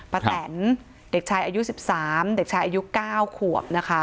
พระแตนเด็กชายอายุสิบสามเด็กชายอายุเก้าขวบนะคะ